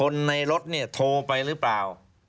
ในรถเนี่ยโทรไปหรือเปล่า